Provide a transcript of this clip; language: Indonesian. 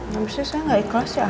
ya pasti saya gak ikhlas ya